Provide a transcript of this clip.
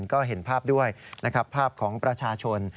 ก็เห็นภาพด้วยนะครับภาพของประชาชน